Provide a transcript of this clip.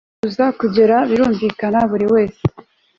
uza kugera birumvikana buriwese